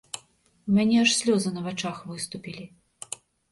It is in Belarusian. У мяне аж слёзы на вачах выступілі.